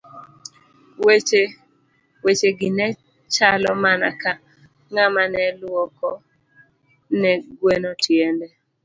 Weche gi ne chalo mana ka ng'ama ne lwoko ne gweno tiende.